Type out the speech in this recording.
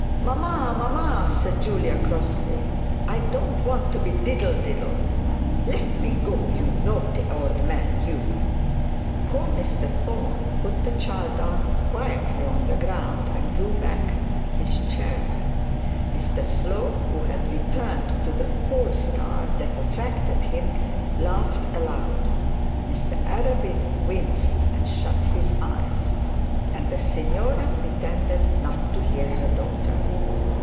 'Mamma, mamma,' said Julia, crossly. 'I don't want to be diddle diddled. Let me go, you naughty old man, you.' Poor Mr Thorne put the child down quietly on the ground, and drew back his chair; Mr Slope, who had returned to the pole star that attracted him, laughed aloud; Mr Arabin winced and shut his eyes; and the signora pretended not to hear her daughter.